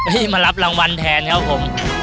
ที่มารับรางวัลแทนครับผม